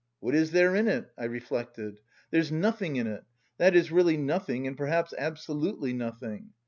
What is there in it? I reflected. There's nothing in it, that is really nothing and perhaps absolutely nothing.